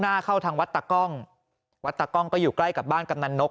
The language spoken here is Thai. เข้าทางวัดตากล้องวัดตากล้องก็อยู่ใกล้กับบ้านกำนันนก